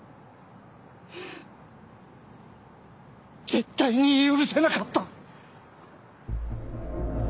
絶対に許せなかった！